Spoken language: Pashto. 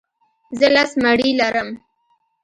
زه لس مڼې لرم.